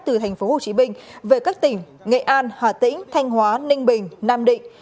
từ tp hcm về các tỉnh nghệ an hà tĩnh thanh hóa ninh bình nam định